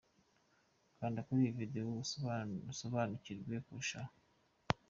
Kanda kuri iyi video usobanukirwe kurushaho.